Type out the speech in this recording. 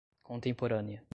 contemporânea